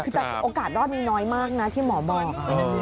คือแต่โอกาสรอดนี้น้อยมากนะที่หมอบอก